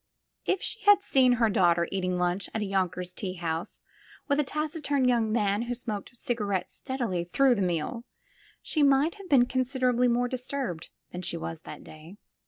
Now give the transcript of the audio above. If she had seen her daughter eating lunch at a Yonkers tea house with a taciturn young man who smoked ciga rettes steadily through the meal, she might have been considerably more disturbed than she was that day.